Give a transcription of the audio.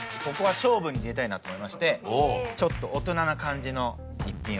ここは勝負に出たいなと思いましてちょっと。